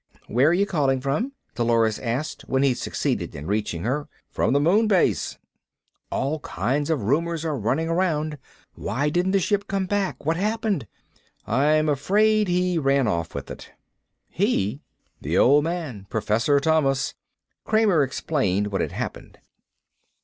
"Where are you calling from?" Dolores asked, when he succeeded in reaching her. "From the moon base." "All kinds of rumors are running around. Why didn't the ship come back? What happened?" "I'm afraid he ran off with it." "He?" "The Old Man. Professor Thomas." Kramer explained what had happened.